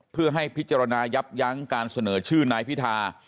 เพื่อให้พิจารณายับยั้งการเสนอชื่อนายพิธา